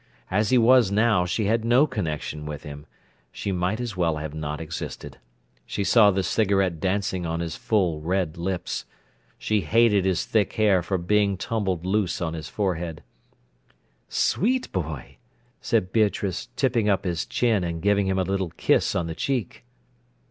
As he was now, she had no connection with him; she might as well not have existed. She saw the cigarette dancing on his full red lips. She hated his thick hair for being tumbled loose on his forehead. "Sweet boy!" said Beatrice, tipping up his chin and giving him a little kiss on the cheek.